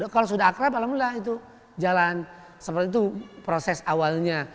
kalau sudah akrab alhamdulillah itu jalan seperti itu proses awalnya